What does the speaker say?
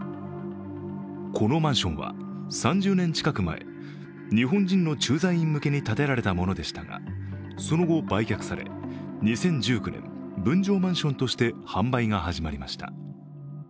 このマンションは、３０年近く前、日本人の駐在員向けに建てられたものでしたがその後、売却され、２０１９年、分譲マンションとして販売が始まりました。